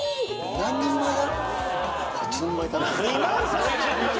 何人前だ？